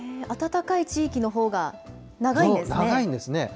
暖かい地域のほうが長いんですね？